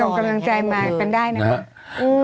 ส่งกำลังใจมากันได้นะครับ